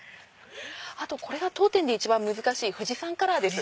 あとこれが当店で一番難しい富士山カラーです。